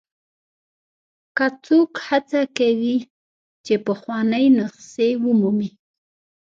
که څوک هڅه کوي چې پخوانۍ نسخې ومومي.